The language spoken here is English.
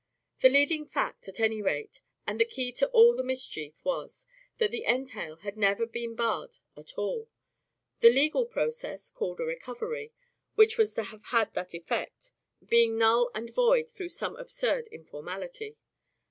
The leading fact, at any rate, and the key to all the mischief, was, that the entail had never been barred at all: the legal process (called a "recovery") which was to have had that effect, being null and void through some absurd informality.